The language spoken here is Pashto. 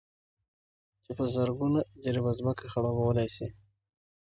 چې په زرگونو جرېبه ځمكه خړوبولى شي،